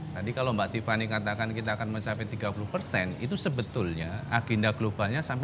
tadi kalau mbak tiffany katakan kita akan mencapai tiga puluh itu sebetulnya agenda globalnya sampai dua ribu tiga puluh